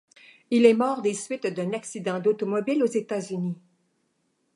Il est mort des suites d'un accident d'automobile aux États-Unis.